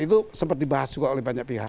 itu sempat dibahas juga oleh banyak pihak